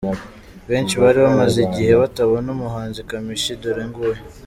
benshi bari bamaze ighe batabona umuhanzi Kamichi dore nguyu.